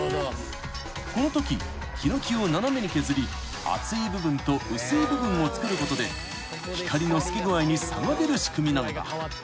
［このときヒノキを斜めに削り厚い部分と薄い部分を作ることで光の透け具合に差が出る仕組みなのだ］